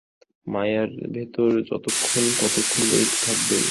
মায়ার ভেতর যতক্ষণ, ততক্ষণ দ্বৈত থাকবেই।